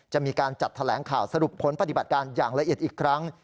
จะมีการจัดแถลงข่าวสรุปผลปฏิบัติการอย่างละเอียดอีกครั้ง